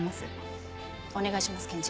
お願いします検事。